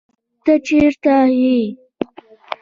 ته چېرته يې